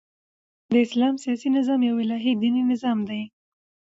د اسلام سیاسي نظام یو الهي دیني نظام دئ.